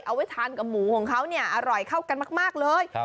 เอาไว้ทานกับหมูของเขาเนี่ยอร่อยเข้ากันมากเลย